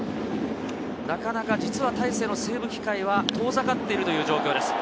なかなか実は大勢のセーブ機会は遠ざかっているという状況です。